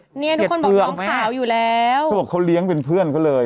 เนี่ยทุกคนบอกน้องสาวอยู่แล้วเขาบอกเขาเลี้ยงเป็นเพื่อนเขาเลย